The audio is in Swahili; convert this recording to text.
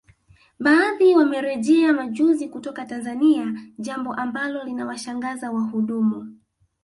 Baadhi wamerejea majuzi kutoka Tanzania jambo ambalo linawashangaza wahudumu